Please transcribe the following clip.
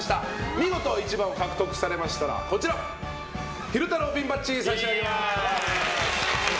見事１番を獲得されましたら昼太郎ピンバッジを差し上げます。